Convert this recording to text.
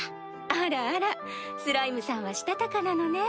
あらあらスライムさんはしたたかなのね。